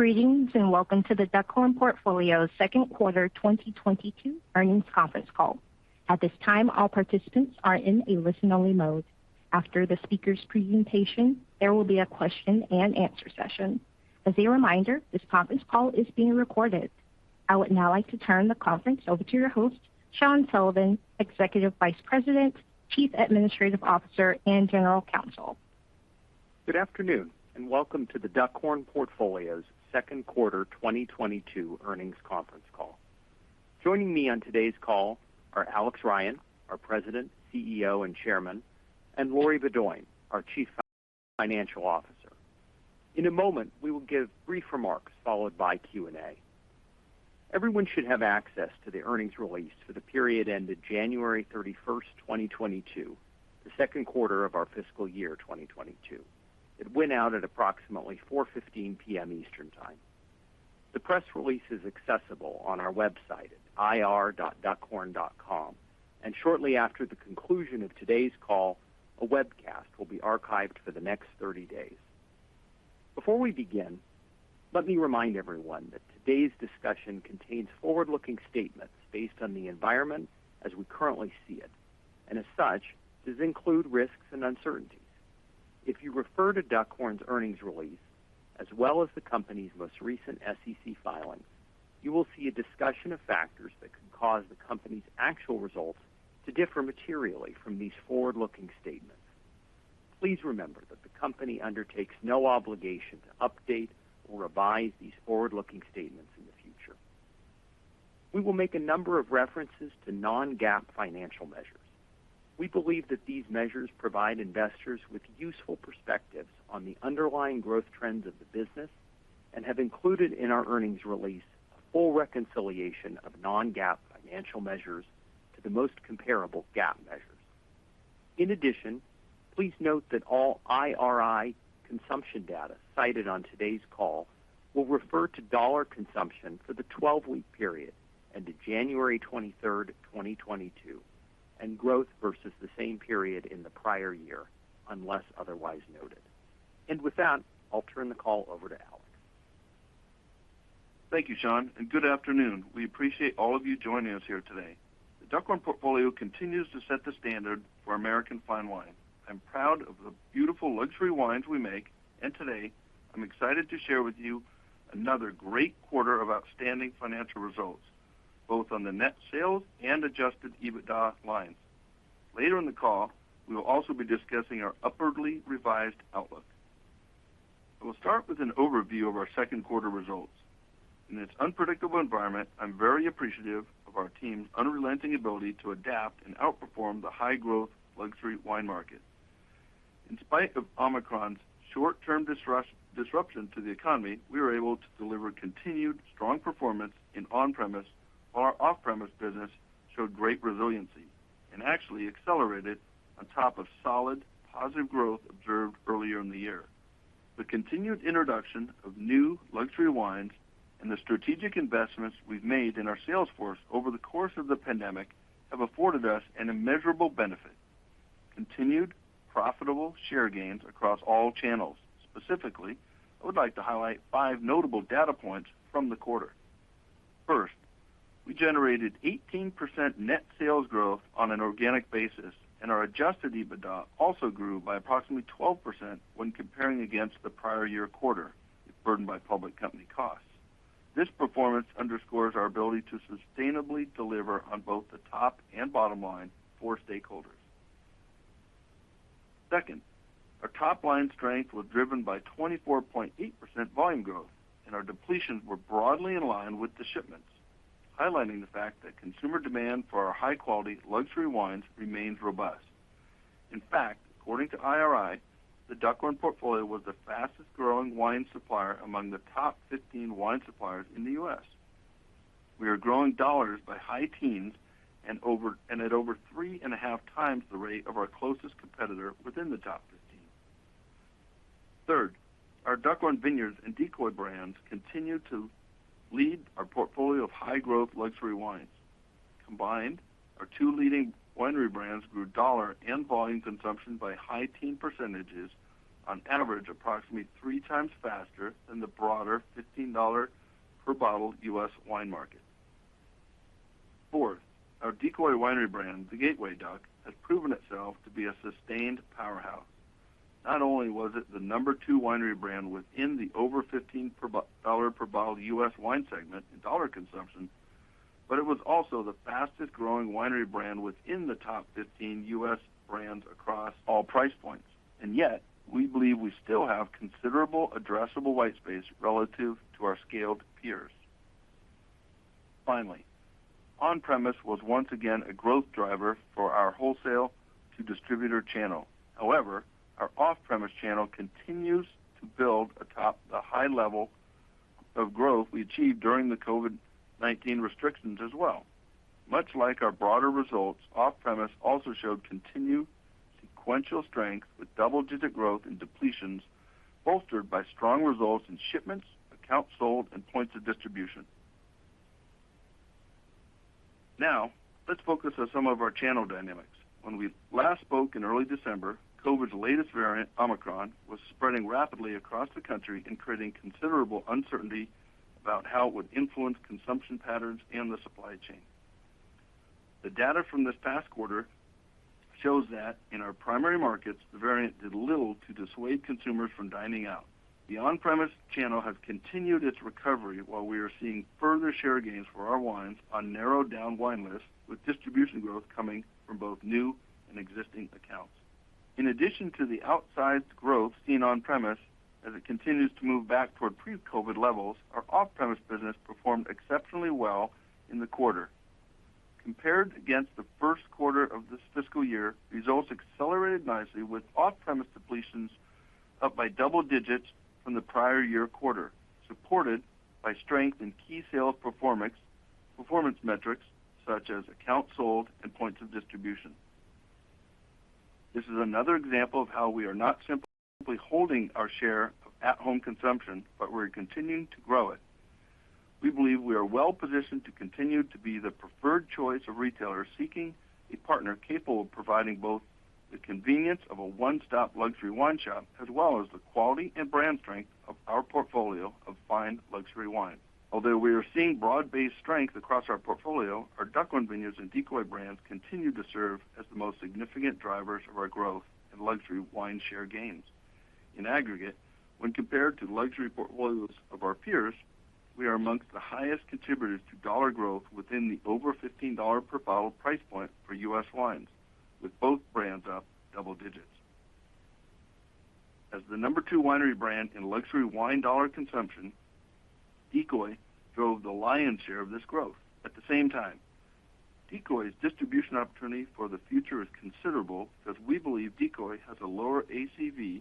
Greetings, and welcome to the Duckhorn Portfolio's Q2 2022 earnings conference call. At this time, all participants are in a listen-only mode. After the speaker's presentation, there will be a question-and-answer session. As a reminder, this conference call is being recorded. I would now like to turn the conference over to your host, Sean Sullivan, Executive Vice President, Chief Administrative Officer, and General Counsel. Good afternoon, and welcome to the Duckhorn Portfolio's Q2 2022 earnings conference call. Joining me on today's call are Alex Ryan, our President, CEO, and Chairman, and Lori Beaudoin, our Chief Financial Officer. In a moment, we will give brief remarks followed by Q&A. Everyone should have access to the earnings release for the period ended January 31, 2022, the Q2 of our fiscal year 2022. It went out at approximately 4:15 P.M. Eastern Time. The press release is accessible on our website at ir.duckhorn.com, and shortly after the conclusion of today's call, a webcast will be archived for the next 30 days. Before we begin, let me remind everyone that today's discussion contains forward-looking statements based on the environment as we currently see it, and as such, does include risks and uncertainties. If you refer to Duckhorn's earnings release, as well as the company's most recent SEC filings, you will see a discussion of factors that could cause the company's actual results to differ materially from these forward-looking statements. Please remember that the company undertakes no obligation to update or revise these forward-looking statements in the future. We will make a number of references to non-GAAP financial measures. We believe that these measures provide investors with useful perspectives on the underlying growth trends of the business and have included in our earnings release a full reconciliation of non-GAAP financial measures to the most comparable GAAP measures. In addition, please note that all IRI consumption data cited on today's call will refer to dollar consumption for the 12-week period ended January 23, 2022, and growth versus the same period in the prior year, unless otherwise noted. With that, I'll turn the call over to Alex. Thank you, Sean, and good afternoon. We appreciate all of you joining us here today. The Duckhorn Portfolio continues to set the standard for American fine wine. I'm proud of the beautiful luxury wines we make, and today I'm excited to share with you another great quarter of outstanding financial results, both on the net sales and adjusted EBITDA lines. Later in the call, we will also be discussing our upwardly revised outlook. I will start with an overview of our Q2 results. In this unpredictable environment, I'm very appreciative of our team's unrelenting ability to adapt and outperform the high-growth luxury wine market. In spite of Omicron's short-term disruption to the economy, we were able to deliver continued strong performance in on-premise, while our off-premise business showed great resiliency and actually accelerated on top of solid, positive growth observed earlier in the year. The continued introduction of new luxury wines and the strategic investments we've made in our sales force over the course of the pandemic have afforded us an immeasurable benefit. Continued profitable share gains across all channels. Specifically, I would like to highlight five notable data points from the quarter. First, we generated 18% net sales growth on an organic basis, and our adjusted EBITDA also grew by approximately 12% when comparing against the prior year quarter burdened by public company costs. This performance underscores our ability to sustainably deliver on both the top and bottom line for stakeholders. Second, our top-line strength was driven by 24.8% volume growth, and our depletions were broadly in line with the shipments, highlighting the fact that consumer demand for our high-quality luxury wines remains robust. In fact, according to IRI, the Duckhorn Portfolio was the fastest-growing wine supplier among the top 15 wine suppliers in the U.S. We are growing dollars by high teens and over, and at over 3.5 times the rate of our closest competitor within the top 15. Third, our Duckhorn Vineyards and Decoy brands continue to lead our portfolio of high-growth luxury wines. Combined, our two leading winery brands grew dollar and volume consumption by high-teens percentages on average approximately 3 times faster than the broader 15-dollar-per-bottle U.S. wine market. Fourth, our Decoy Winery brand, the gateway duck, has proven itself to be a sustained powerhouse. Not only was it the number two winery brand within the over $15 per bottle U.S. wine segment in dollar consumption, but it was also the fastest-growing winery brand within the top 15 U.S. brands across all price points. Yet, we believe we still have considerable addressable white space relative to our scaled peers. Finally, on-premise was once again a growth driver for our wholesale to distributor channel. However, our off-premise channel continues to build atop the high level of growth we achieved during the COVID-19 restrictions as well. Much like our broader results, off-premise also showed continued sequential strength with double-digit growth in depletions bolstered by strong results in shipments, accounts sold, and points of distribution. Now, let's focus on some of our channel dynamics. When we last spoke in early December, COVID's latest variant, Omicron, was spreading rapidly across the country and creating considerable uncertainty about how it would influence consumption patterns in the supply chain. The data from this past quarter shows that in our primary markets, the variant did little to dissuade consumers from dining out. The on-premise channel has continued its recovery while we are seeing further share gains for our wines on narrowed down wine lists, with distribution growth coming from both new and existing accounts. In addition to the outsized growth seen on-premise, as it continues to move back toward pre-COVID levels, our off-premise business performed exceptionally well in the quarter. Compared against the Q1 of this fiscal year, results accelerated nicely with off-premise depletions up by double digits from the prior year quarter, supported by strength in key sales performance metrics such as accounts sold and points of distribution. This is another example of how we are not simply holding our share of at-home consumption, but we're continuing to grow it. We believe we are well-positioned to continue to be the preferred choice of retailers seeking a partner capable of providing both the convenience of a one-stop luxury wine shop, as well as the quality and brand strength of our portfolio of fine luxury wine. Although we are seeing broad-based strength across our portfolio, our Duckhorn Vineyards and Decoy brands continue to serve as the most significant drivers of our growth in luxury wine share gains. In aggregate, when compared to the luxury portfolios of our peers, we are amongst the highest contributors to dollar growth within the over $15 per bottle price point for U.S. wines, with both brands up double digits. As the number two winery brand in luxury wine dollar consumption, Decoy drove the lion's share of this growth. At the same time, Decoy's distribution opportunity for the future is considerable because we believe Decoy has a lower ACV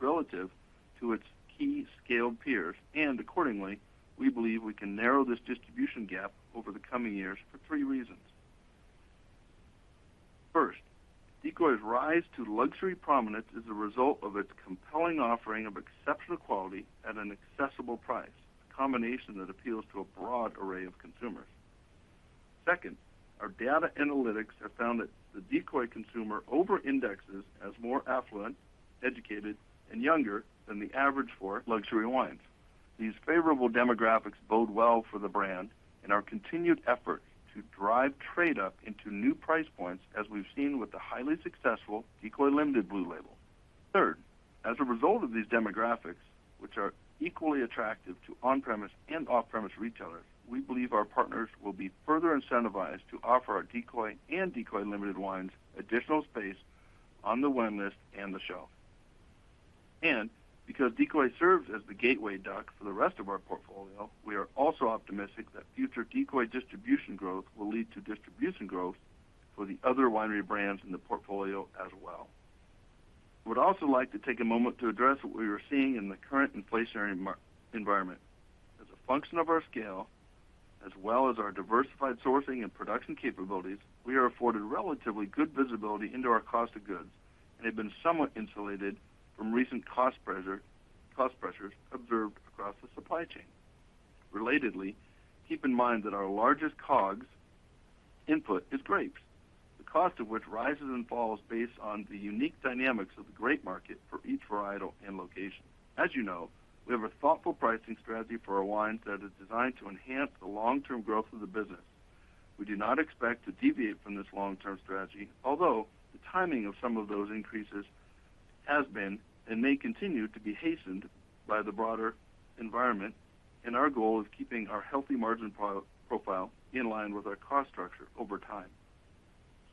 relative to its key scaled peers, and accordingly, we believe we can narrow this distribution gap over the coming years for three reasons. First, Decoy's rise to luxury prominence is a result of its compelling offering of exceptional quality at an accessible price, a combination that appeals to a broad array of consumers. Second, our data analytics have found that the Decoy consumer over-indexes as more affluent, educated, and younger than the average for luxury wines. These favorable demographics bode well for the brand in our continued effort to drive trade up into new price points as we've seen with the highly successful Decoy Limited Blue Label. Third, as a result of these demographics, which are equally attractive to on-premise and off-premise retailers, we believe our partners will be further incentivized to offer our Decoy and Decoy Limited wines additional space on the wine list and the shelf. Because Decoy serves as the gateway duck for the rest of our portfolio, we are also optimistic that future Decoy distribution growth will lead to distribution growth for the other winery brands in the portfolio as well. I would also like to take a moment to address what we are seeing in the current inflationary environment. As a function of our scale, as well as our diversified sourcing and production capabilities, we are afforded relatively good visibility into our cost of goods and have been somewhat insulated from recent cost pressures observed across the supply chain. Relatedly, keep in mind that our largest COGS input is grapes, the cost of which rises and falls based on the unique dynamics of the grape market for each varietal and location. As you know, we have a thoughtful pricing strategy for our wines that is designed to enhance the long-term growth of the business. We do not expect to deviate from this long-term strategy, although the timing of some of those increases has been and may continue to be hastened by the broader environment, and our goal is keeping our healthy margin profile in line with our cost structure over time.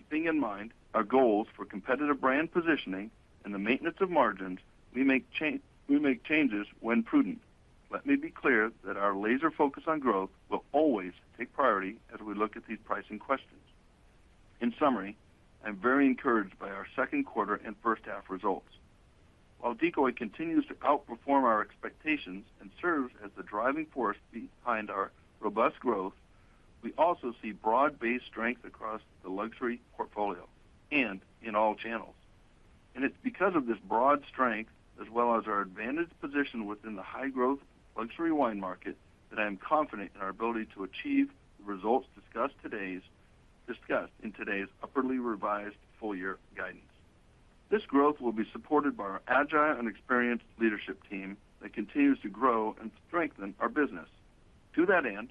Keeping in mind our goals for competitive brand positioning and the maintenance of margins, we make changes when prudent. Let me be clear that our laser focus on growth will always take priority as we look at these pricing questions. In summary, I'm very encouraged by our Q2 and H1 results. While Decoy continues to outperform our expectations and serves as the driving force behind our robust growth, we also see broad-based strength across the luxury portfolio and in all channels. It's because of this broad strength as well as our advantaged position within the high-growth luxury wine market that I am confident in our ability to achieve the results discussed in today's upwardly revised full-year guidance. This growth will be supported by our agile and experienced leadership team that continues to grow and strengthen our business. To that end,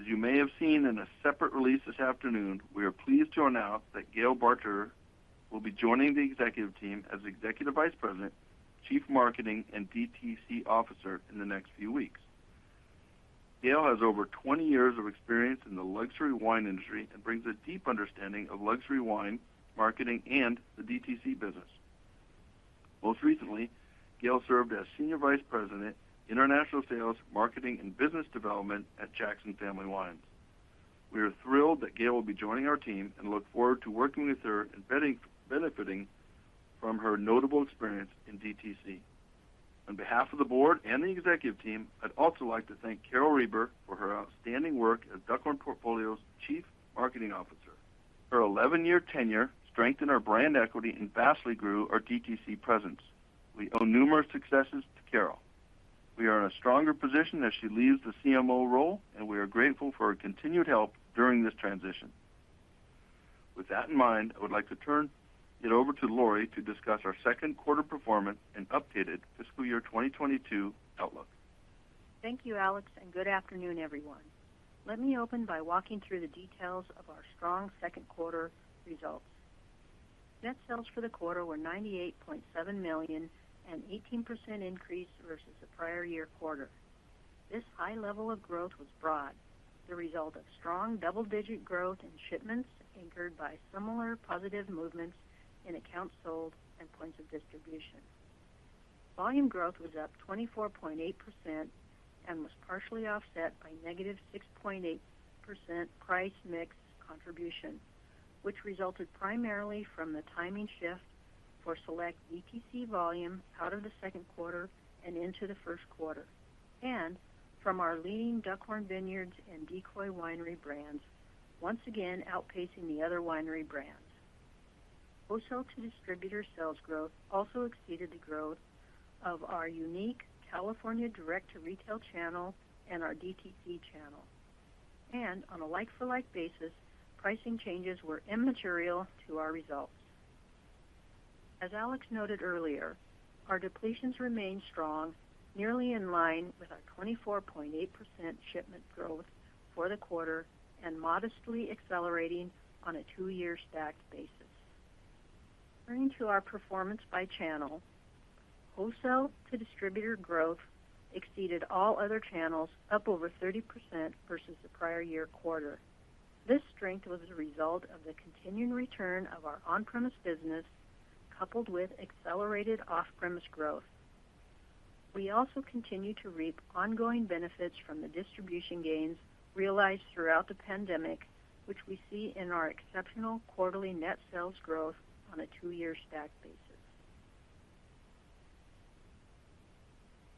as you may have seen in a separate release this afternoon, we are pleased to announce that Gayle Bartscherer will be joining the executive team as Executive Vice President, Chief Marketing and DTC Officer in the next few weeks. Gayle Bartscherer has over 20 years of experience in the luxury wine industry and brings a deep understanding of luxury wine marketing and the DTC business. Most recently, Gayle Bartscherer served as Senior Vice President, International Sales, Marketing, and Business Development at Jackson Family Wines. We are thrilled that Gayle will be joining our team and look forward to working with her and benefiting from her notable experience in DTC. On behalf of the board and the executive team, I'd also like to thank Carol Reber for her outstanding work as Duckhorn Portfolio's Chief Marketing Officer. Her 11-year tenure strengthened our brand equity and vastly grew our DTC presence. We owe numerous successes to Carol. We are in a stronger position as she leaves the CMO role, and we are grateful for her continued help during this transition. With that in mind, I would like to turn it over to Lori to discuss our Q2 performance and updated fiscal year 2022 outlook. Thank you, Alex, and good afternoon, everyone. Let me open by walking through the details of our strong Q2 results. Net sales for the quarter were $98.7 million, an 18% increase versus the prior year quarter. This high level of growth was broad, the result of strong double-digit growth in shipments anchored by similar positive movements in accounts sold and points of distribution. Volume growth was up 24.8% and was partially offset by -6.8% price mix contribution, which resulted primarily from the timing shift for select DTC volume out of the Q2 and into the Q1, and from our leading Duckhorn Vineyards and Decoy Winery brands, once again outpacing the other winery brands. Wholesale to distributor sales growth also exceeded the growth of our unique California direct to retail channel and our DTC channel. On a like-for-like basis, pricing changes were immaterial to our results. As Alex noted earlier, our depletions remained strong, nearly in line with our 24.8% shipment growth for the quarter and modestly accelerating on a two-year stacked basis. Turning to our performance by channel, wholesale to distributor growth exceeded all other channels, up over 30% versus the prior year quarter. This strength was a result of the continuing return of our on-premise business coupled with accelerated off-premise growth. We also continue to reap ongoing benefits from the distribution gains realized throughout the pandemic, which we see in our exceptional quarterly net sales growth on a two-year stacked basis.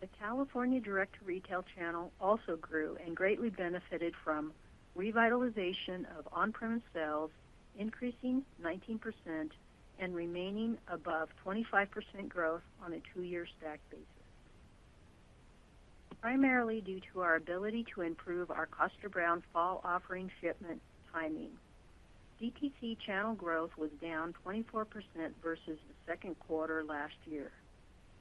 The California direct to retail channel also grew and greatly benefited from revitalization of on-premise sales, increasing 19% and remaining above 25% growth on a two-year stacked basis. Primarily due to our ability to improve our Kosta Browne fall offering shipment timing, DTC channel growth was down 24% versus the Q2 last year.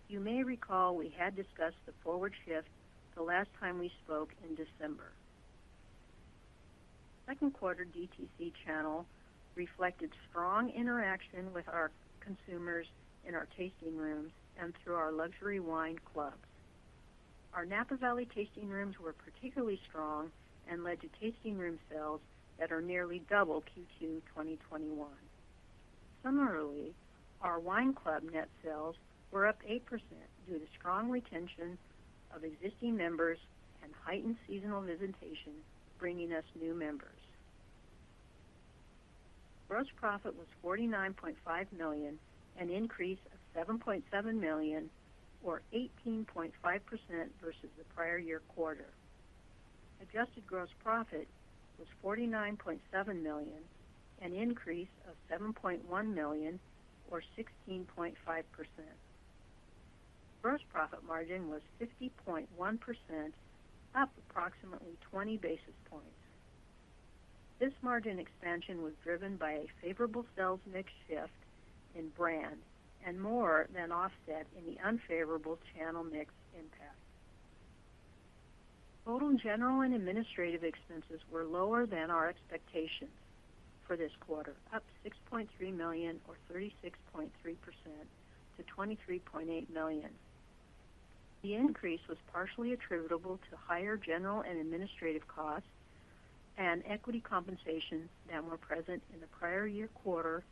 You may recall we had discussed the forward shift the last time we spoke in December. Q2 DTC channel reflected strong interaction with our consumers in our tasting rooms and through our luxury wine clubs. Our Napa Valley tasting rooms were particularly strong and led to tasting room sales that are nearly double Q2 2021. Summarily, our wine club net sales were up 8% due to strong retention of existing members and heightened seasonal visitation bringing us new members. Gross profit was $49.5 million, an increase of $7.7 million, or 18.5% versus the prior year quarter. Adjusted gross profit was $49.7 million, an increase of $7.1 million, or 16.5%. Gross profit margin was 50.1%, up approximately 20 basis points. This margin expansion was driven by a favorable sales mix shift in brand and more than offset in the unfavorable channel mix impact. Total general and administrative expenses were lower than our expectations for this quarter, up $6.3 million, or 36.3% to $23.8 million. The increase was partially attributable to higher general and administrative costs and equity compensation that were present in the prior year quarter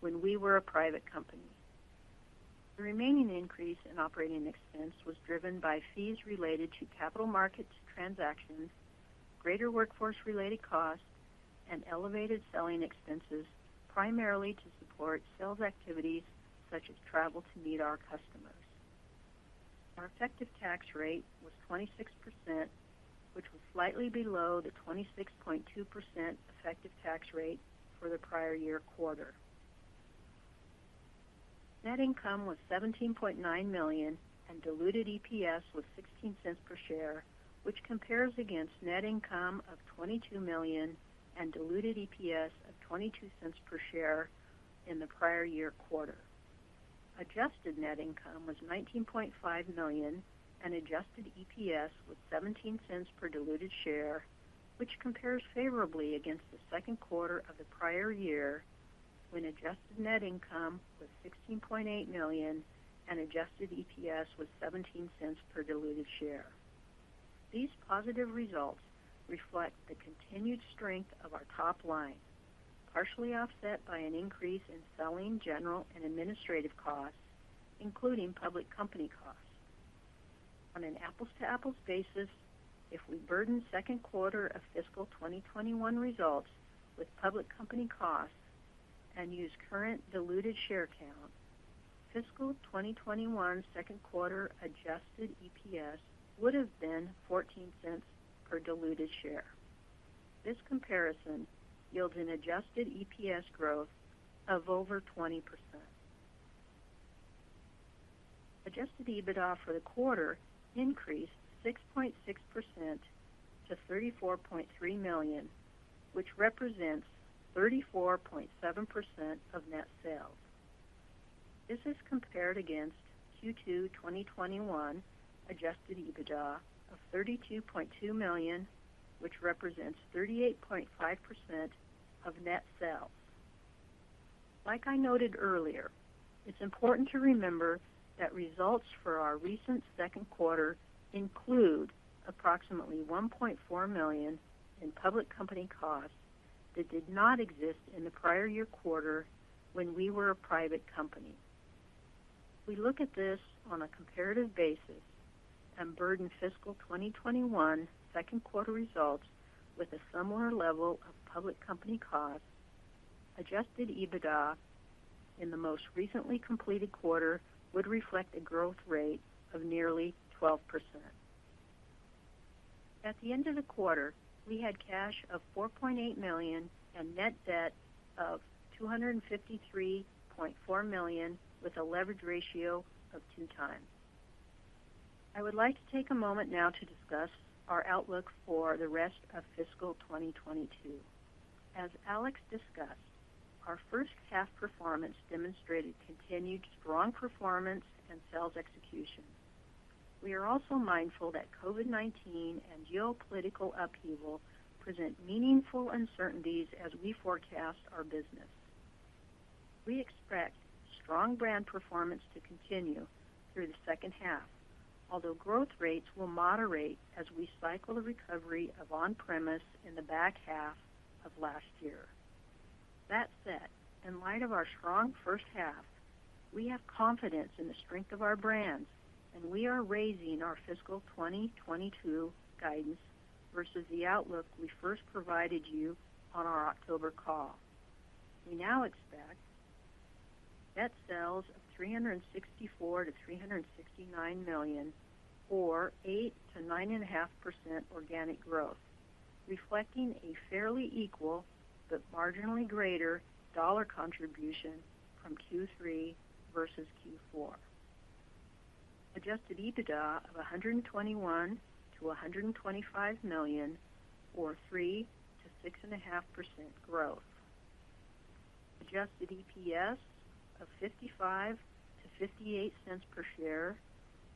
when we were a private company. The remaining increase in operating expense was driven by fees related to capital markets transactions, greater workforce related costs, and elevated selling expenses, primarily to support sales activities such as travel to meet our customers. Our effective tax rate was 26%, which was slightly below the 26.2% effective tax rate for the prior year quarter. Net income was $17.9 million and diluted EPS was $0.16 per share, which compares against net income of $22 million and diluted EPS of $0.22 per share in the prior year quarter. Adjusted net income was $19.5 million and adjusted EPS was $0.17 per diluted share, which compares favorably against the Q2 of the prior year when adjusted net income was $16.8 million and adjusted EPS was $0.17 per diluted share. These positive results reflect the continued strength of our top line, partially offset by an increase in selling, general, and administrative costs, including public company costs. On an apples-to-apples basis, if we burden Q2 of fiscal 2021 results with public company costs and use current diluted share count, fiscal 2021 Q2 adjusted EPS would have been $0.14 per diluted share. This comparison yields an adjusted EPS growth of over 20%. Adjusted EBITDA for the quarter increased 6.6% to $34.3 million, which represents 34.7% of net sales. This is compared against Q2 2021 adjusted EBITDA of $32.2 million, which represents 38.5% of net sales. Like I noted earlier, it's important to remember that results for our recent Q2 include approximately $1.4 million in public company costs that did not exist in the prior year quarter when we were a private company. If we look at this on a comparative basis and burden fiscal 2021 Q2 results with a similar level of public company costs, adjusted EBITDA in the most recently completed quarter would reflect a growth rate of nearly 12%. At the end of the quarter, we had cash of $4.8 million and net debt of $253.4 million, with a leverage ratio of 2x. I would like to take a moment now to discuss our outlook for the rest of fiscal 2022. As Alex discussed, our H1 performance demonstrated continued strong performance and sales execution. We are also mindful that COVID-19 and geopolitical upheaval present meaningful uncertainties as we forecast our business. We expect strong brand performance to continue through the H2, although growth rates will moderate as we cycle the recovery of on-premise in the back half of last year. That said, in light of our strong H1, we have confidence in the strength of our brands, and we are raising our fiscal 2022 guidance versus the outlook we first provided you on our October call. We now expect net sales of $364 million-$369 million or 8%-9.5% organic growth, reflecting a fairly equal but marginally greater dollar contribution from Q3 versus Q4. Adjusted EBITDA of $121 million-$125 million or 3%-6.5% growth. Adjusted EPS of $0.55-$0.58 per share,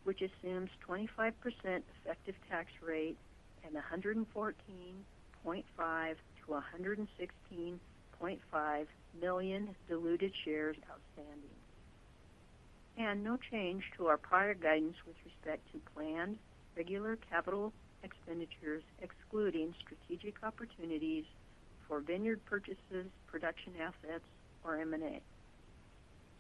which assumes 25% effective tax rate and 114.5 million-116.5 million diluted shares outstanding. No change to our prior guidance with respect to planned regular capital expenditures, excluding strategic opportunities for vineyard purchases, production assets, or M&A.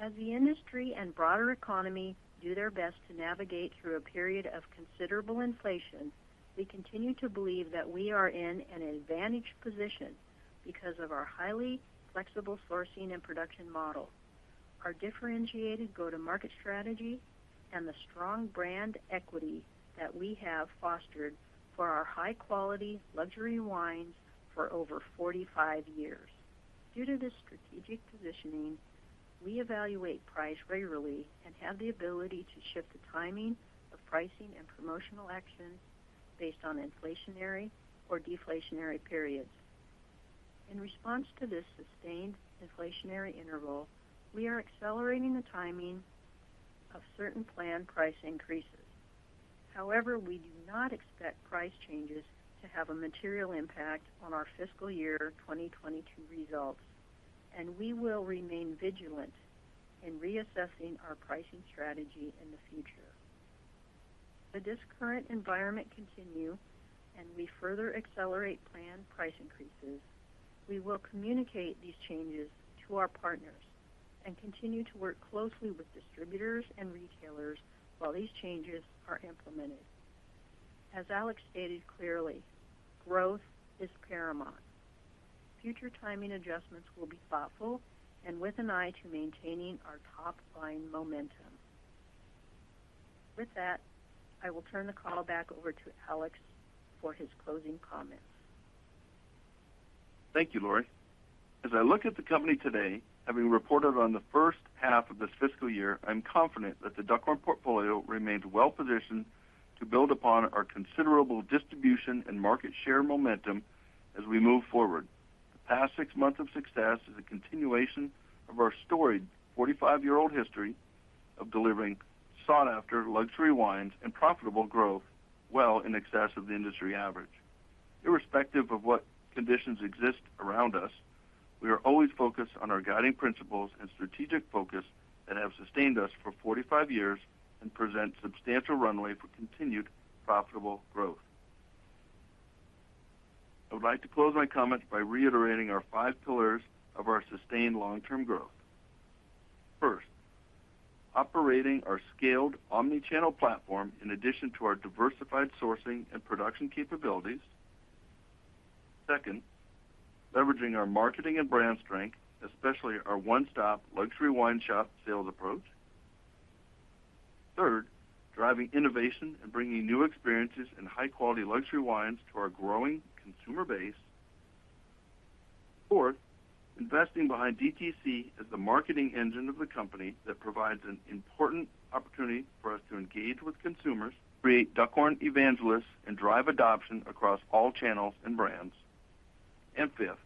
As the industry and broader economy do their best to navigate through a period of considerable inflation, we continue to believe that we are in an advantaged position because of our highly flexible sourcing and production model, our differentiated go-to-market strategy, and the strong brand equity that we have fostered for our high-quality luxury wines for over 45 years. Due to this strategic positioning, we evaluate price regularly and have the ability to shift the timing of pricing and promotional actions based on inflationary or deflationary periods. In response to this sustained inflationary interval, we are accelerating the timing of certain planned price increases. However, we do not expect price changes to have a material impact on our fiscal year 2022 results, and we will remain vigilant in reassessing our pricing strategy in the future. Should this current environment continue and we further accelerate planned price increases, we will communicate these changes to our partners and continue to work closely with distributors and retailers while these changes are implemented. As Alex stated clearly, growth is paramount. Future timing adjustments will be thoughtful and with an eye to maintaining our top-line momentum. With that, I will turn the call back over to Alex for his closing comments. Thank you, Lori. As I look at the company today, having reported on the H1 of this fiscal year, I'm confident that The Duckhorn Portfolio remains well positioned to build upon our considerable distribution and market share momentum as we move forward. The past 6 months of success is a continuation of our storied 45-year-old history of delivering sought-after luxury wines and profitable growth well in excess of the industry average. Irrespective of what conditions exist around us, we are always focused on our guiding principles and strategic focus that have sustained us for 45 years and present substantial runway for continued profitable growth. I would like to close my comments by reiterating our 5 pillars of our sustained long-term growth. First, operating our scaled omni-channel platform in addition to our diversified sourcing and production capabilities. Second, leveraging our marketing and brand strength, especially our one-stop luxury wine shop sales approach. Third, driving innovation and bringing new experiences and high quality luxury wines to our growing consumer base. Fourth, investing behind DTC as the marketing engine of the company that provides an important opportunity for us to engage with consumers, create Duckhorn evangelists, and drive adoption across all channels and brands. Fifth,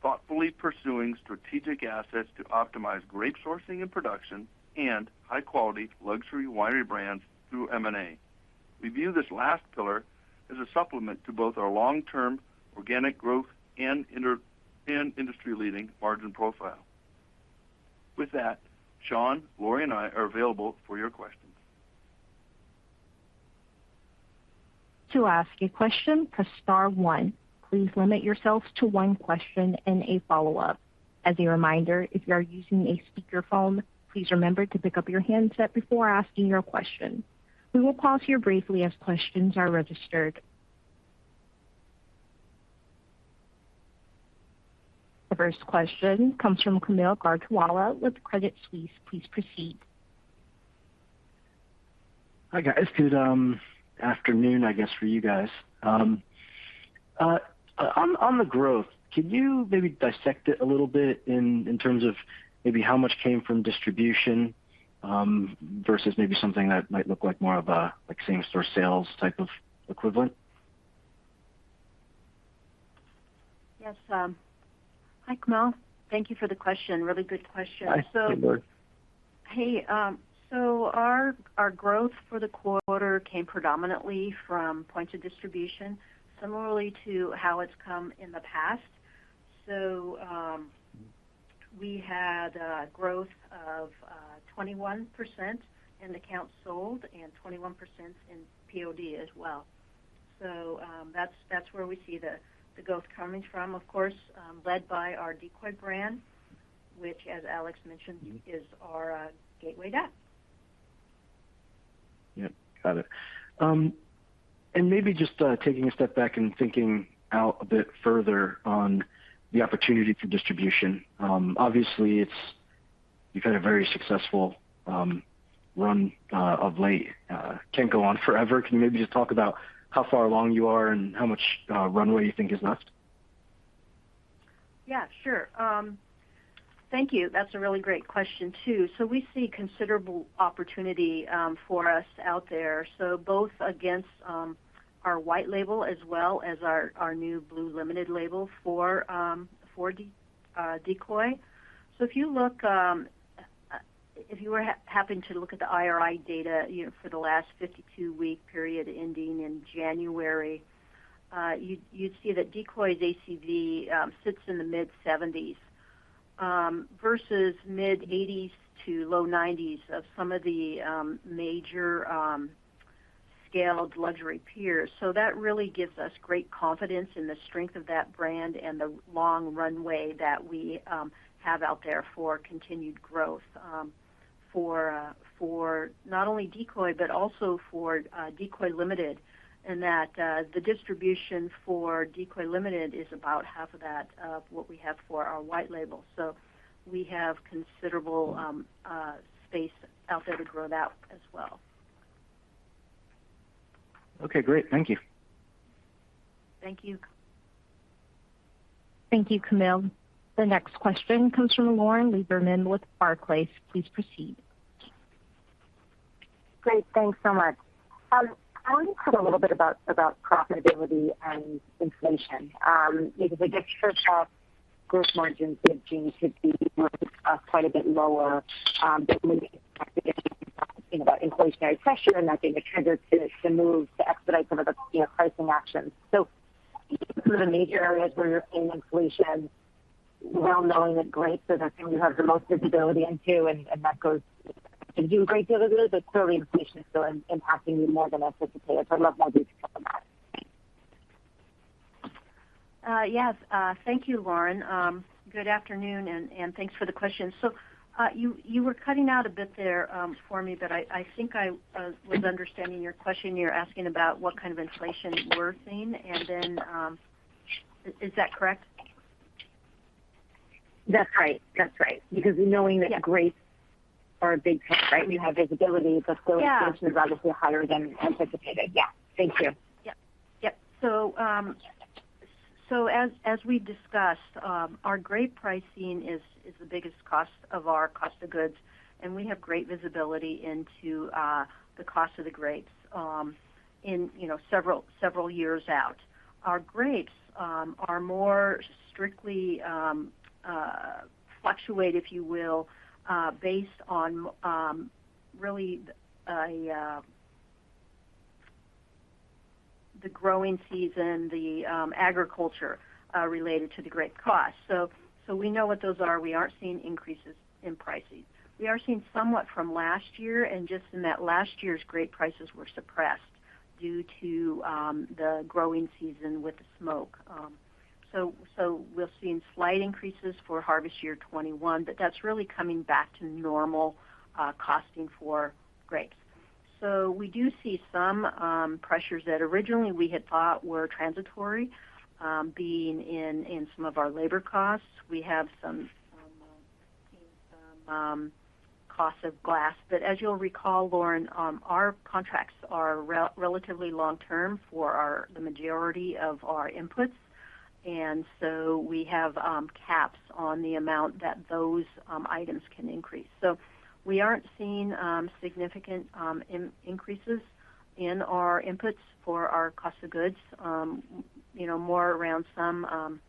thoughtfully pursuing strategic assets to optimize grape sourcing and production and high quality luxury winery brands through M&A. We view this last pillar as a supplement to both our long-term organic growth and industry-leading margin profile. With that, Sean, Lori, and I are available for your questions. To ask a question, press star one. Please limit yourselves to one question and a follow-up. As a reminder, if you are using a speakerphone, please remember to pick up your handset before asking your question. We will pause here briefly as questions are registered. The first question comes from Kaumil Gajrawala with Credit Suisse. Please proceed. Hi, guys. Good afternoon, I guess, for you guys. On the growth, can you maybe dissect it a little bit in terms of maybe how much came from distribution versus maybe something that might look like more of a like same store sales type of equivalent? Yes. Hi, Kaumil. Thank you for the question. Really good question. Hi. Good morning. Hey, our growth for the quarter came predominantly from point of distribution, similarly to how it's come in the past. We had growth of 21% in accounts sold and 21% in POD as well. That's where we see the growth coming from, of course, led by our Decoy brand, which, as Alex mentioned, is our gateway duck. Yep. Got it. Maybe just taking a step back and thinking out a bit further on the opportunity for distribution, obviously you've had a very successful run of late. Can't go on forever. Can you maybe just talk about how far along you are and how much runway you think is left? Yeah, sure. Thank you. That's a really great question, too. We see considerable opportunity for us out there. Both against our white label as well as our new Blue Limited Label for Decoy. If you look at the IRI data, you know, for the last 52-week period ending in January, you'd see that Decoy's ACV sits in the mid-seventies versus mid-eighties to low nineties of some of the major scaled luxury peers. That really gives us great confidence in the strength of that brand and the long runway that we have out there for continued growth for not only Decoy but also for Decoy Limited, in that the distribution for Decoy Limited is about half of that of what we have for our white label. We have considerable space out there to grow that as well. Okay, great. Thank you. Thank you. Thank you, Kaumil. The next question comes from Lauren Lieberman with Barclays. Please proceed. Great. Thanks so much. I want to talk a little bit about profitability and inflation. Because I guess first off, gross margins did seem to be quite a bit lower, but maybe Mm-hmm. Talking about inflationary pressure and that being a trigger to move to expedite some of the, you know, pricing actions. Can you talk through the major areas where you're seeing inflation, well knowing that grapes are the thing you have the most visibility into, and that goes, things are doing great there, but clearly inflation is still impacting you more than anticipated. I'd love more details on that. Yes. Thank you, Lauren. Good afternoon, and thanks for the question. You were cutting out a bit there, for me, but I think I was understanding your question. You're asking about what kind of inflation we're seeing and then. Is that correct? That's right. Because knowing that grapes are a big part, right? You have visibility, but still. Yeah. Inflation is relatively higher than anticipated. Yeah. Thank you. Yep. As we discussed, our grape pricing is the biggest cost of our cost of goods, and we have great visibility into the cost of the grapes in you know several years out. Our grapes are more strictly fluctuate, if you will, based on really the growing season, the agriculture related to the grape cost. We know what those are. We are seeing increases in pricing. We are seeing somewhat from last year, and just in that last year's grape prices were suppressed due to the growing season with the smoke. We're seeing slight increases for harvest year 2021, but that's really coming back to normal, costs for grapes. We do see some pressures that originally we had thought were transitory, being in some of our labor costs. We have some costs of glass. As you'll recall, Lauren, our contracts are relatively long-term for the majority of our inputs. We have caps on the amount that those items can increase. We aren't seeing significant increases in our inputs for our cost of goods, you know, more around some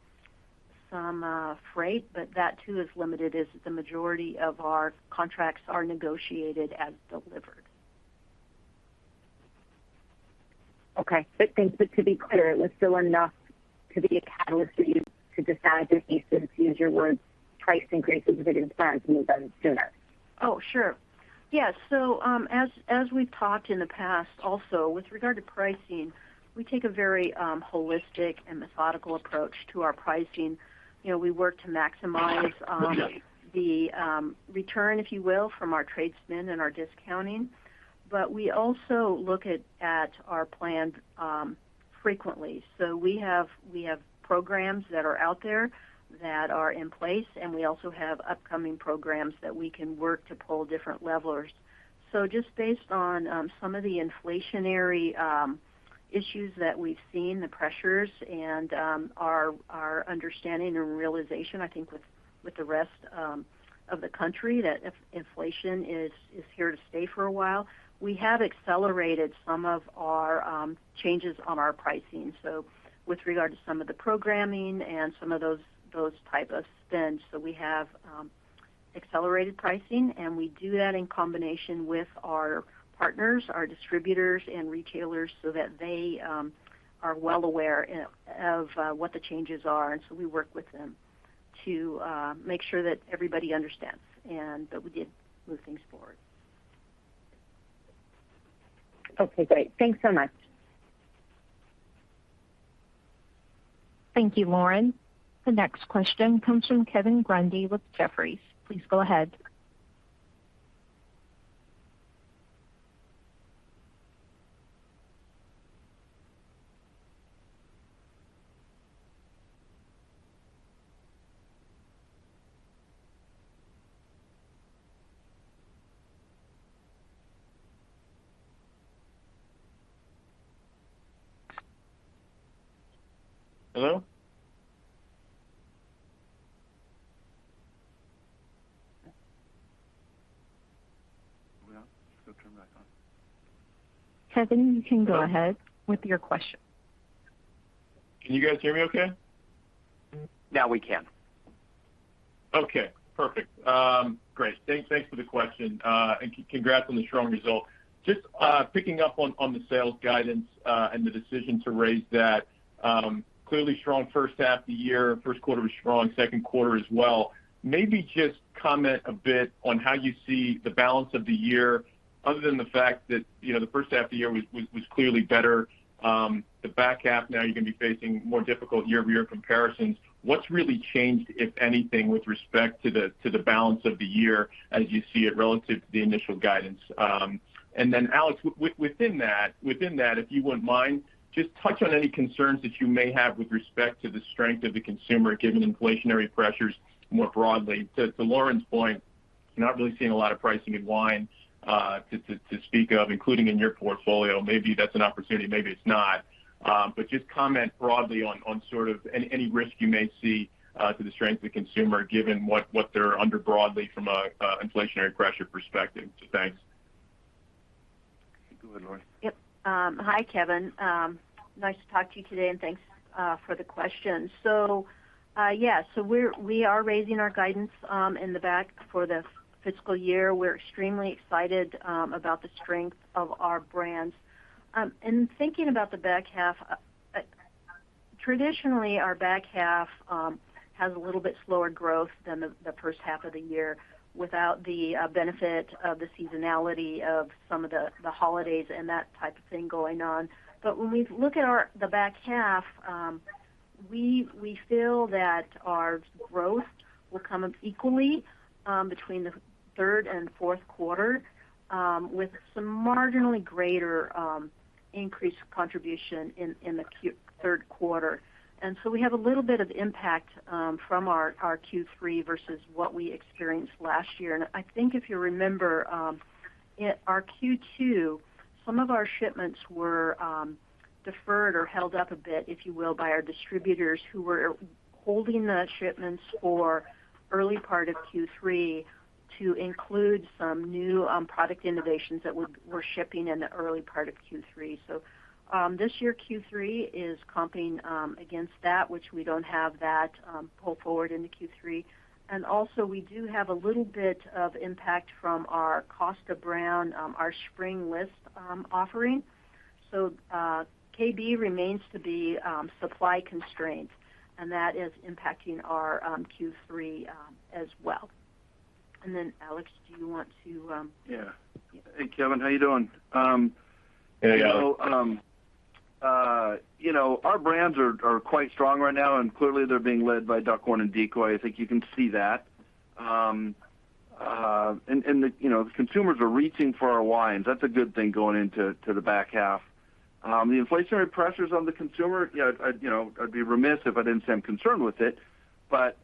freight, but that too is limited as the majority of our contracts are negotiated as delivered. Okay. To be clear, it was still enough to be a catalyst for you to decide that you should use the price increases that you had planned and move them sooner. Oh, sure. Yeah. As we've talked in the past also, with regard to pricing, we take a very holistic and methodical approach to our pricing. You know, we work to maximize the return, if you will, from our trade spend and our discounting. We also look at our plans frequently. We have programs that are out there that are in place, and we also have upcoming programs that we can work to pull different levers. Just based on some of the inflationary issues that we've seen, the pressures and our understanding and realization, I think, with the rest of the country that if inflation is here to stay for a while, we have accelerated some of our changes on our pricing. With regard to some of the programming and some of those type of spends. We have accelerated pricing, and we do that in combination with our partners, our distributors and retailers, so that they are well aware of what the changes are, and we work with them to make sure that everybody understands, but we did move things forward. Okay, great. Thanks so much. Thank you, Lauren. The next question comes from Kevin Grundy with Jefferies. Please go ahead. Hello? Kevin, you can go ahead with your question. Can you guys hear me okay? Now we can. Okay, perfect. Great. Thanks for the question. And congrats on the strong result. Just picking up on the sales guidance and the decision to raise that, clearly strong H1 of the year. Q1 was strong, Q2 as well. Maybe just comment a bit on how you see the balance of the year other than the fact that, you know, the H1 of the year was clearly better. The back half now, you're gonna be facing more difficult year-over-year comparisons. What's really changed, if anything, with respect to the balance of the year as you see it relative to the initial guidance? Alex, within that, if you wouldn't mind, just touch on any concerns that you may have with respect to the strength of the consumer, given inflationary pressures more broadly. To Lauren's point, not really seeing a lot of pricing in wine, to speak of, including in your portfolio. Maybe that's an opportunity, maybe it's not. Just comment broadly on sort of any risk you may see to the strength of the consumer, given what they're under broadly from an inflationary pressure perspective. Thanks. Yep. Hi, Kevin. Nice to talk to you today, and thanks for the question. We are raising our guidance in the back half for the fiscal year. We're extremely excited about the strength of our brands. Thinking about the back half, traditionally, our back half has a little bit slower growth than the H1 of the year without the benefit of the seasonality of some of the holidays and that type of thing going on. When we look at the back half, we feel that our growth will come up equally between the Q3 and Q4 with some marginally greater increased contribution in the Q3. We have a little bit of impact from our Q3 versus what we experienced last year. I think if you remember, our Q2, some of our shipments were deferred or held up a bit, if you will, by our distributors who were holding the shipments for early part of Q3 to include some new product innovations that were shipping in the early part of Q3. This year, Q3 is comping against that, which we don't have that pull forward into Q3. Also, we do have a little bit of impact from our Kosta Browne our spring list offering. KB remains to be supply constrained, and that is impacting our Q3 as well. Then, Alex, do you want to- Yeah. Yeah. Hey, Kevin. How you doing? Hey. How are you? You know, our brands are quite strong right now, and clearly they're being led by Duckhorn and Decoy. I think you can see that. The consumers are reaching for our wines. That's a good thing going into the back half. The inflationary pressures on the consumer, yeah, I'd be remiss if I didn't say I'm concerned with it. But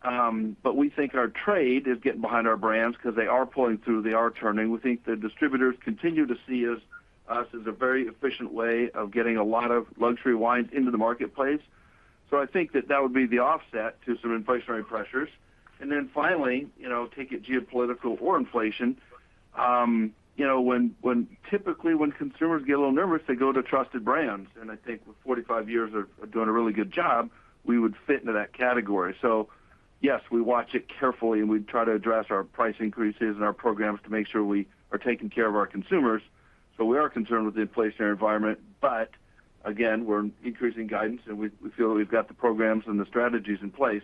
we think our trade is getting behind our brands because they are pulling through, they are turning. We think the distributors continue to see us as a very efficient way of getting a lot of luxury wines into the marketplace. I think that would be the offset to some inflationary pressures. Finally, you know, take it geopolitical or inflation, you know, when typically consumers get a little nervous, they go to trusted brands, and I think with 45 years of doing a really good job, we would fit into that category. Yes, we watch it carefully, and we try to address our price increases and our programs to make sure we are taking care of our consumers. We are concerned with the inflationary environment. Again, we're increasing guidance, and we feel that we've got the programs and the strategies in place,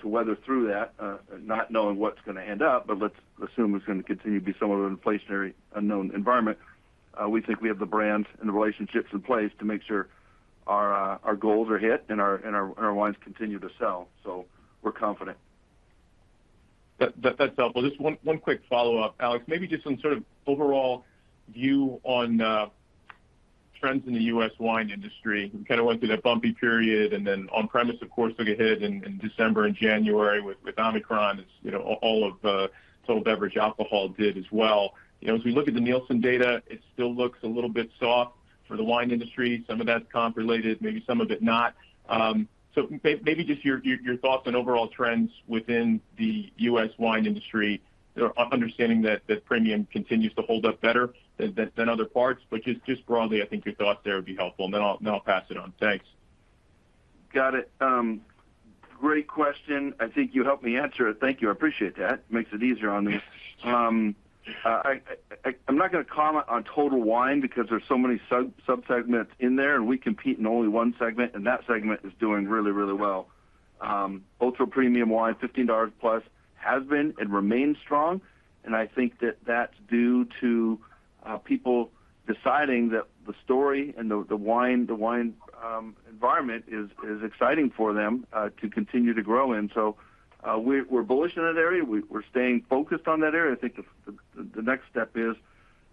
to weather through that, not knowing what's gonna end up, but let's assume it's gonna continue to be somewhat of an inflationary unknown environment. We think we have the brands and the relationships in place to make sure our goals are hit and our wines continue to sell. We're confident. That's helpful. Just one quick follow-up, Alex. Maybe just some sort of overall view on trends in the U.S. wine industry. We kind of went through that bumpy period and then on-premise, of course, took a hit in December and January with Omicron as you know, all of total beverage alcohol did as well. You know, as we look at the Nielsen data, it still looks a little bit soft for the wine industry. Some of that's comp related, maybe some of it not. So maybe just your thoughts on overall trends within the U.S. wine industry, understanding that premium continues to hold up better than other parts. Just broadly, I think your thoughts there would be helpful, and then I'll pass it on. Thanks. Got it. Great question. I think you helped me answer it. Thank you. I appreciate that. Makes it easier on me. I'm not gonna comment on total wine because there's so many sub-segments in there, and we compete in only one segment, and that segment is doing really, really well. Ultra-premium wine, $15 plus, has been and remains strong, and I think that's due to people deciding that the story and the wine environment is exciting for them to continue to grow. We're bullish in that area. We're staying focused on that area. I think the next step is.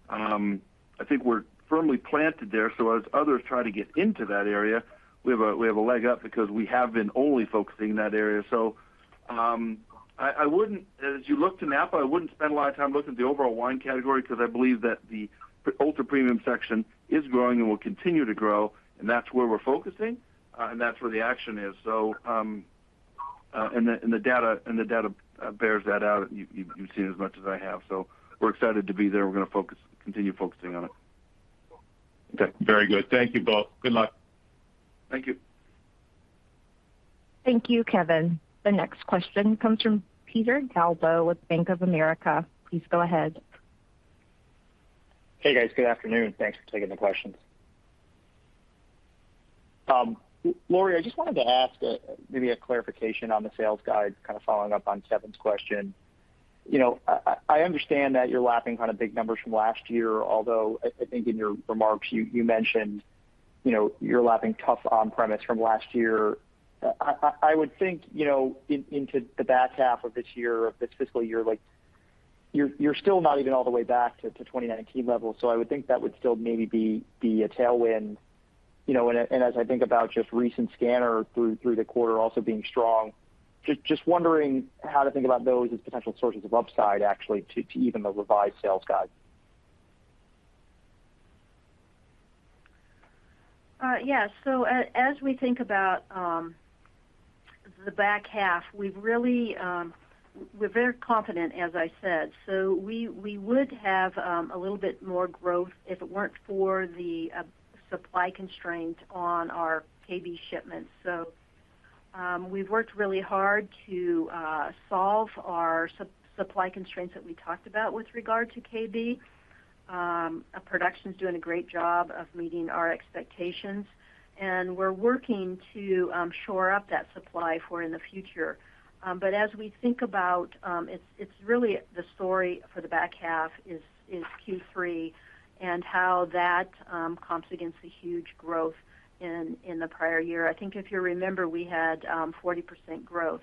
I think we're firmly planted there, so as others try to get into that area, we have a leg up because we have been only focusing in that area. I wouldn't as you look to Napa, I wouldn't spend a lot of time looking at the overall wine category because I believe that the ultra-premium section is growing and will continue to grow, and that's where we're focusing, and that's where the action is. And the data bears that out. You've seen it as much as I have. We're excited to be there. We're gonna continue focusing on it. Okay. Very good. Thank you both. Good luck. Thank you. Thank you, Kevin. The next question comes from Peter Galbo with Bank of America. Please go ahead. Hey, guys. Good afternoon. Thanks for taking the questions. Lori, I just wanted to ask, maybe a clarification on the sales guide, kind of following up on Kevin's question. You know, I understand that you're lapping kind of big numbers from last year, although I think in your remarks, you mentioned, you know, you're lapping tough on-premise from last year. I would think, you know, into the back half of this year, of this fiscal year, like you're still not even all the way back to 2019 levels. So I would think that would still maybe be a tailwind, you know, and as I think about just recent scanner data through the quarter also being strong, just wondering how to think about those as potential sources of upside actually to even the revised sales guide. Yeah. As we think about the back half, we're very confident, as I said. We would have a little bit more growth if it weren't for the supply constraint on our KB shipments. We've worked really hard to solve our supply constraints that we talked about with regard to KB. Our production's doing a great job of meeting our expectations, and we're working to shore up that supply for the future. But as we think about, it's really the story for the back half is Q3 and how that comps against the huge growth in the prior year. I think if you remember, we had 40% growth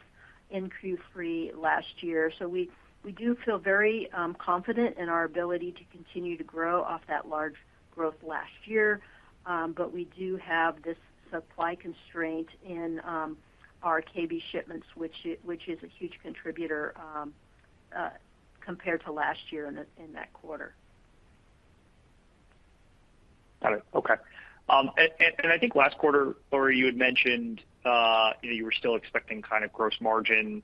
in Q3 last year. We do feel very confident in our ability to continue to grow off that large growth last year. But we do have this supply constraint in our KB shipments, which is a huge contributor compared to last year in that quarter. Got it. Okay. And I think last quarter, Lori, you had mentioned you know, you were still expecting kind of gross margin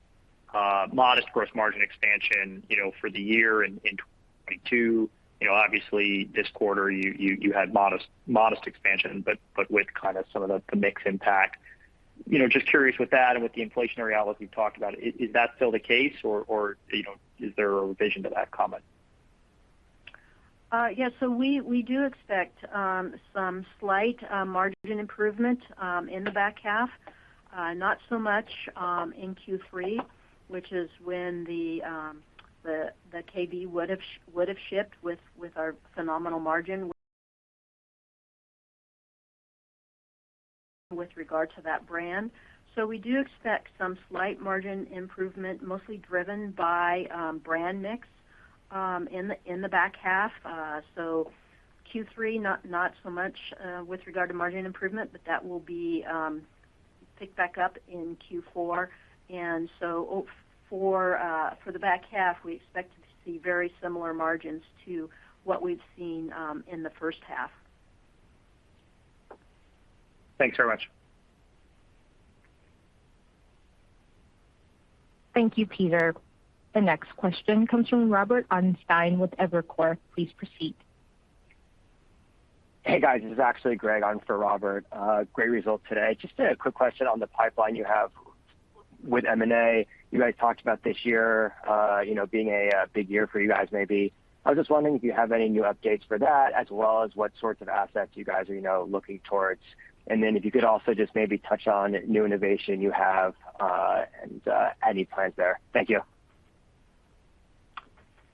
modest gross margin expansion you know, for the year in 2022. You know, obviously, this quarter, you had modest expansion, but with kind of some of the mix impact. You know, just curious with that and with the inflationary outlook you've talked about, is that still the case, or you know, is there a revision to that comment? Yeah. We do expect some slight margin improvement in the back half. Not so much in Q3, which is when the KB would've shipped with our phenomenal margin with regard to that brand. We do expect some slight margin improvement, mostly driven by brand mix in the back half. Q3 not so much with regard to margin improvement, but that will be picked back up in Q4. For the back half, we expect to see very similar margins to what we've seen in the H1. Thanks very much. Thank you, Peter. The next question comes from Robert Ottenstein with Evercore. Please proceed. Hey, guys. This is actually Greg on for Robert. Great results today. Just a quick question on the pipeline you have with M&A. You guys talked about this year, you know, being a big year for you guys, maybe. I was just wondering if you have any new updates for that as well as what sorts of assets you guys are, you know, looking towards. If you could also just maybe touch on new innovation you have, and any plans there. Thank you.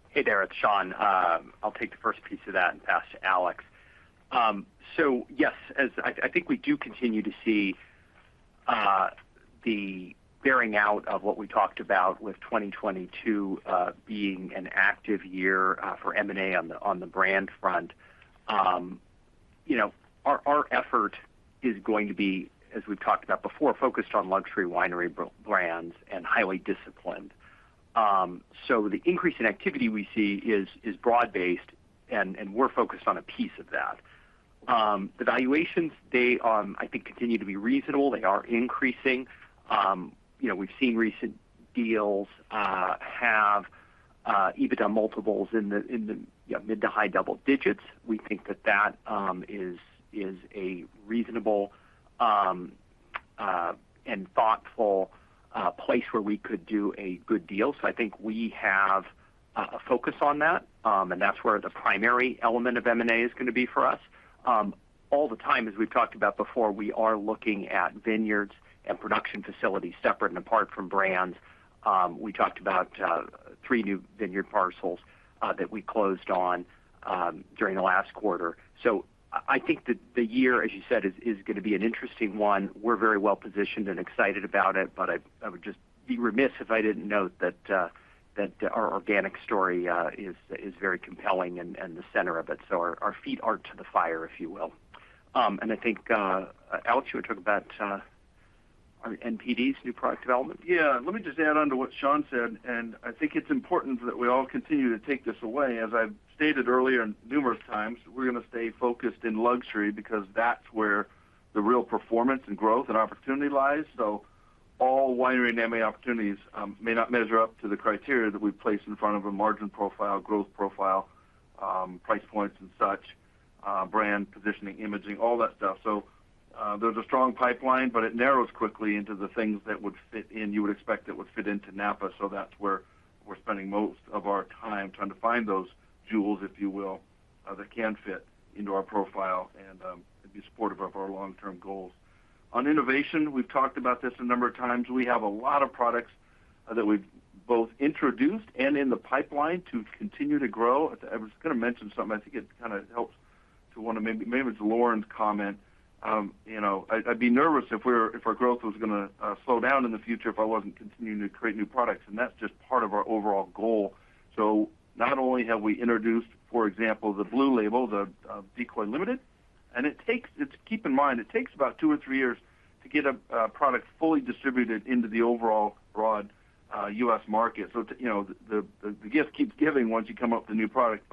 Hey there, it's Sean. I'll take the first piece of that and pass to Alex. Yes, as I think we do continue to see the bearing out of what we talked about with 2022 being an active year for M&A on the brand front. You know, our effort is going to be, as we've talked about before, focused on luxury winery brands and highly disciplined. The increase in activity we see is broad-based, and we're focused on a piece of that. The valuations, I think, continue to be reasonable. They are increasing. You know, we've seen recent deals have EBITDA multiples in the mid to high double digits. We think that is a reasonable and thoughtful place where we could do a good deal. I think we have a focus on that, and that's where the primary element of M&A is gonna be for us. All the time, as we've talked about before, we are looking at vineyards and production facilities separate and apart from brands. We talked about 3 new vineyard parcels that we closed on during the last quarter. I think the year, as you said, is gonna be an interesting one. We're very well positioned and excited about it, but I would just be remiss if I didn't note that our organic story is very compelling and the center of it. Our feet are to the fire, if you will. I think, Alex, you had talked about our NPDs, new product development. Yeah. Let me just add on to what Sean said, and I think it's important that we all continue to take this away. As I've stated earlier and numerous times, we're gonna stay focused in luxury because that's where the real performance and growth and opportunity lies. All winery and M&A opportunities may not measure up to the criteria that we place in front of a margin profile, growth profile, price points and such, brand positioning, imaging, all that stuff. There's a strong pipeline, but it narrows quickly into the things that would fit in, you would expect that would fit into Napa, so that's where we're spending most of our time trying to find those jewels, if you will, that can fit into our profile and be supportive of our long-term goals. On innovation, we've talked about this a number of times. We have a lot of products that we've both introduced and in the pipeline to continue to grow. I was gonna mention something. I think it kind of helps to wanna maybe it's Lauren's comment. You know, I'd be nervous if our growth was gonna slow down in the future if I wasn't continuing to create new products, and that's just part of our overall goal. Not only have we introduced, for example, the Blue Label, the Decoy Limited, and keep in mind, it takes about two or three years to get a product fully distributed into the overall broad U.S. market. You know, the gift keeps giving once you come up with a new product.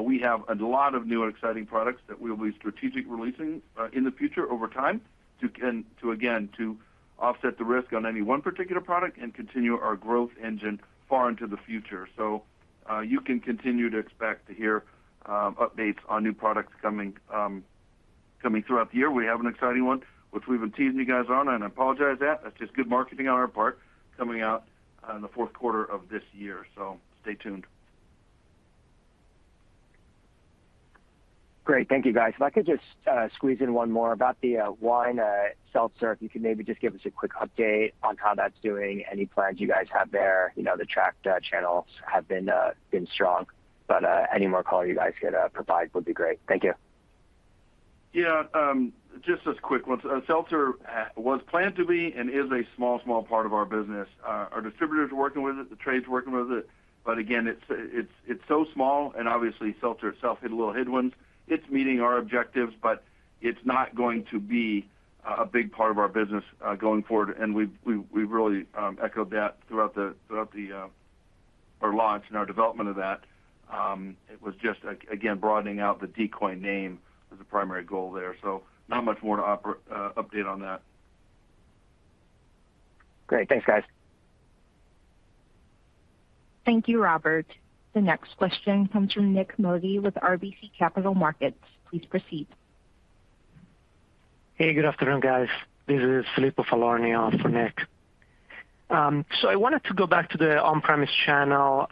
We have a lot of new and exciting products that we'll be strategic releasing in the future over time to again to offset the risk on any one particular product and continue our growth engine far into the future. You can continue to expect to hear updates on new products coming throughout the year. We have an exciting one, which we've been teasing you guys on, and I apologize that. That's just good marketing on our part coming out in the Q4 of this year. Stay tuned. Great. Thank you, guys. If I could just squeeze in one more about the wine Seltzer. If you could maybe just give us a quick update on how that's doing. Any plans you guys have there. You know, the tracked channels have been strong, but any more color you guys could provide would be great. Thank you. Just a quick one. Seltzer was planned to be and is a small part of our business. Our distributors are working with it, the trade's working with it, but again, it's so small, and obviously Seltzer itself hit a little headwinds. It's meeting our objectives, but it's not going to be a big part of our business going forward. We've really echoed that throughout our launch and our development of that. It was just again broadening out the Decoy name as the primary goal there. Not much more to update on that. Great. Thanks, guys. Thank you, Robert. The next question comes from Nik Modi with RBC Capital Markets. Please proceed. Hey, good afternoon, guys. This is Filippo Falorni on for Nik. I wanted to go back to the on-premise channel.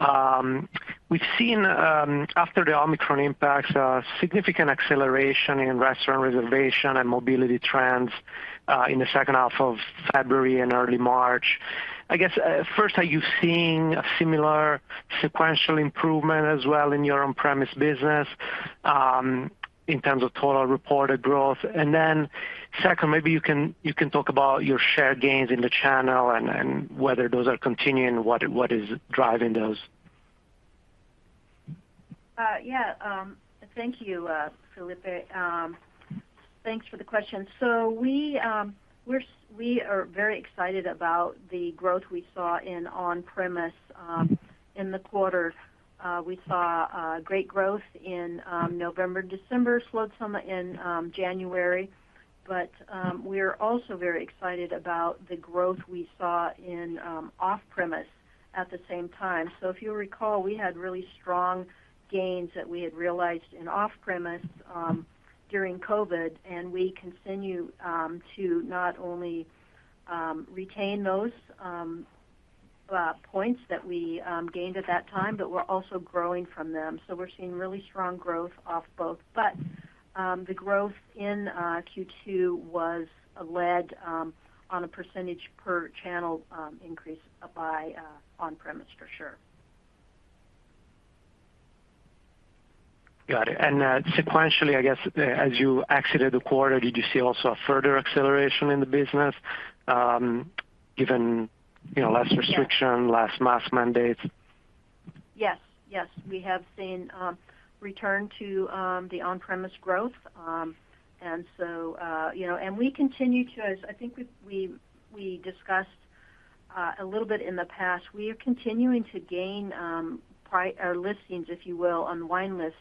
We've seen after the Omicron impacts significant acceleration in restaurant reservation and mobility trends in the H2 of February and early March. I guess first, are you seeing a similar sequential improvement as well in your on-premise business in terms of total reported growth? Second, maybe you can talk about your share gains in the channel and whether those are continuing, what is driving those? Thank you, Filippo. Thanks for the question. We are very excited about the growth we saw in on-premise in the quarter. We saw great growth in November. December slowed some in January. We are also very excited about the growth we saw in off-premise at the same time. If you'll recall, we had really strong gains that we had realized in off-premise during COVID, and we continue to not only retain those points that we gained at that time, but we're also growing from them. We're seeing really strong growth off both. The growth in Q2 was led on a percentage per channel increase by on-premise for sure. Got it. Sequentially, I guess, as you exited the quarter, did you see also a further acceleration in the business, given, you know- Yeah. Less restriction, less mask mandates? Yes. Yes. We have seen a return to the on-premise growth. You know, we continue to, as I think we discussed a little bit in the past, continue to gain priority listings, if you will, on wine lists.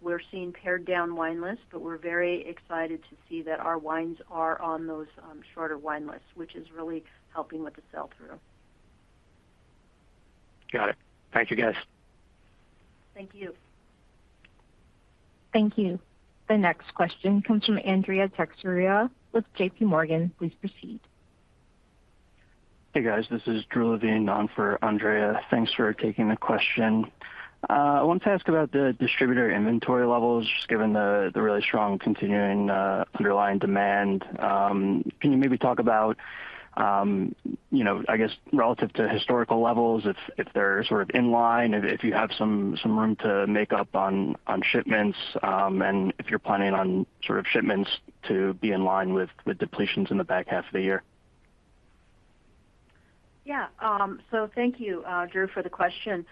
We're seeing pared down wine lists, but we're very excited to see that our wines are on those shorter wine lists, which is really helping with the sell-through. Got it. Thank you, guys. Thank you. Thank you. The next question comes from Andrea Teixeira with JP Morgan. Please proceed. Hey, guys. This is Drew Levine on for Andrea. Thanks for taking the question. I wanted to ask about the distributor inventory levels, just given the really strong continuing underlying demand. Can you maybe talk about, you know, I guess, relative to historical levels, if they're sort of in line, if you have some room to make up on shipments, and if you're planning on sort of shipments to be in line with depletions in the back half of the year? Thank you, Drew, for the question.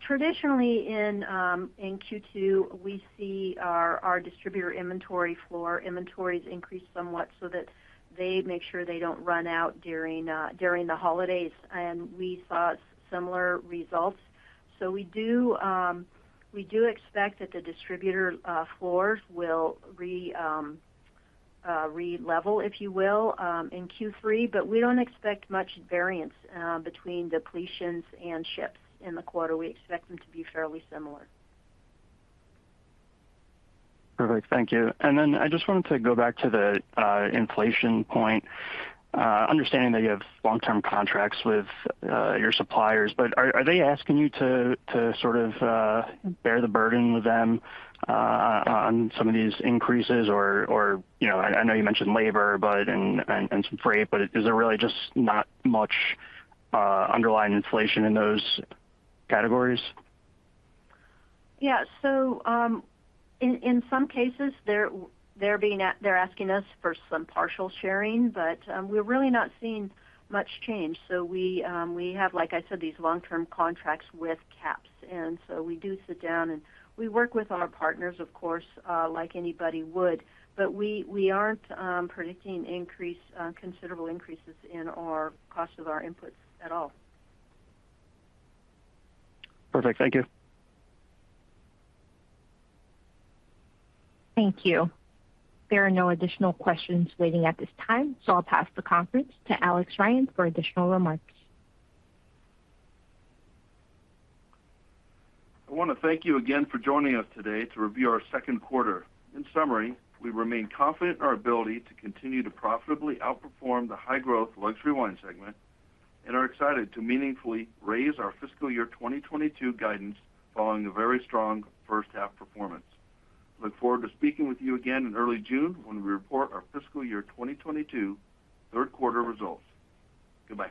Traditionally in Q2, we see our distributor inventory for our inventories increase somewhat so that they make sure they don't run out during the holidays, and we saw similar results. We expect that the distributor floors will re-level, if you will, in Q3, but we don't expect much variance between depletions and ships in the quarter. We expect them to be fairly similar. Perfect. Thank you. I just wanted to go back to the inflation point, understanding that you have long-term contracts with your suppliers. Are they asking you to sort of bear the burden with them on some of these increases? You know, I know you mentioned labor but and some freight, but is there really just not much underlying inflation in those categories? Yeah. In some cases they're asking us for some partial sharing, but we're really not seeing much change. We have, like I said, these long-term contracts with caps, and so we do sit down, and we work with our partners, of course, like anybody would. We aren't predicting considerable increases in our cost of our inputs at all. Perfect. Thank you. Thank you. There are no additional questions waiting at this time, so I'll pass the conference to Alex Ryan for additional remarks. I wanna thank you again for joining us today to review our Q2. In summary, we remain confident in our ability to continue to profitably outperform the high-growth luxury wine segment and are excited to meaningfully raise our Fiscal Year 2022 guidance following a very strong H1 performance. Look forward to speaking with you again in early June when we report our Fiscal Year 2022 Q3 results. Goodbye.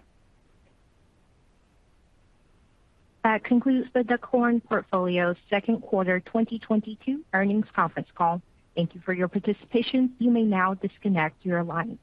That concludes The Duckhorn Portfolio Q2 2022 earnings conference call. Thank you for your participation. You may now disconnect your line.